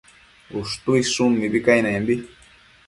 Ushtuidshun mibi cainembi